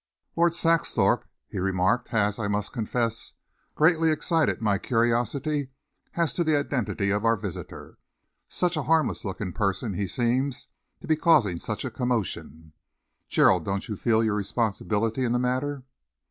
"Lord Saxthorpe," he remarked, "has, I must confess, greatly excited my curiosity as to the identity of our visitor. Such a harmless looking person, he seems, to be causing such a commotion. Gerald, don't you feel your responsibility in the matter?"